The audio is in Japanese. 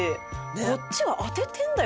こっちは当ててるんだよ